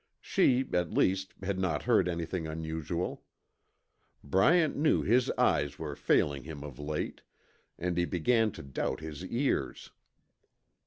She, at least, had not heard anything unusual. Bryant knew his eyes were failing him of late, and he began to doubt his ears.